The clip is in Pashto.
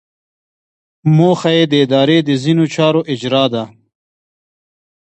موخه یې د ادارې د ځینو چارو اجرا ده.